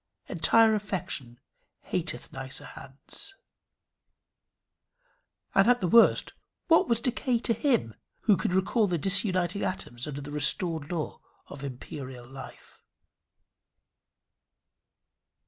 Entire affection hateth nicer hands. And at the worst, what was decay to him, who could recall the disuniting atoms under the restored law of imperial life?